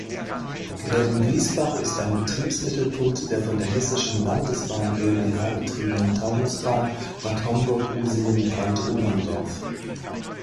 Grävenwiesbach ist ein Betriebsmittelpunkt der von der Hessischen Landesbahn GmbH betriebenen Taunusbahn Bad Homburg–Usingen–Brandoberndorf.